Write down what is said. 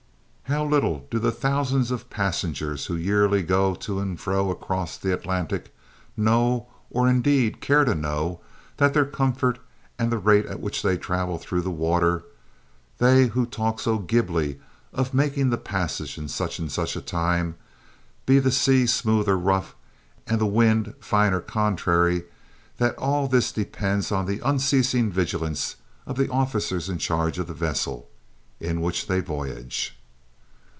How little do the thousands of passengers who yearly go to and fro across the Atlantic know, or, indeed, care to know, that their comfort and the rate at which they travel through the water they who talk so glibly of making the passage in such and such a time, be the sea smooth or rough, and the wind fine or contrary that all this depends on the unceasing vigilance of the officers in charge of the vessel, in which they voyage!